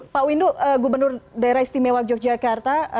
pak windu gubernur daerah istimewa yogyakarta